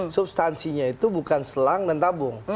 substansinya itu bukan selang dan tabung